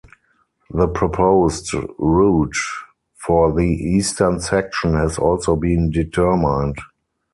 The proposed route for the eastern section has also been determined.